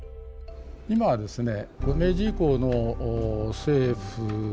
今はですね